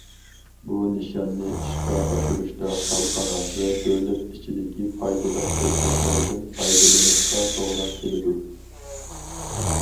بۇ نىشاننى ئىشقا ئاشۇرۇشتا خەلقئارا ۋە دۆلەت ئىچىدىكى پايدىلىق پۇرسەتلەردىن پايدىلىنىشقا توغرا كېلىدۇ.